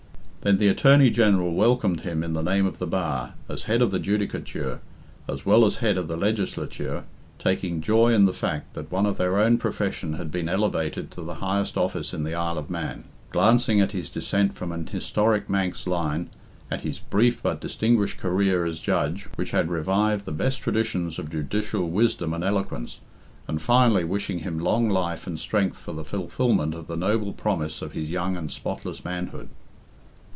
Then the Attorney General welcomed him in the name of the Bar, as head of the Judicature, as well as head of the Legislature, taking joy in the fact that one of their own profession had been elevated to the highest office in the Isle of Man; glancing at his descent from an historic Manx line, at his brief but distinguished career as judge, which had revived the best traditions of judicial wisdom and eloquence, and finally wishing him long life and strength for the fulfilment of the noble promise of his young and spotless manhood.